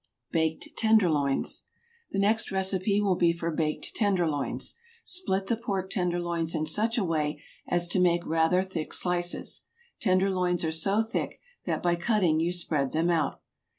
BAKED TENDERLOINS. The next recipe will be for baked tenderloins. Split the pork tenderloins in such a way as to make rather thick slices. Tenderloins are so thick that by cutting you spread them out.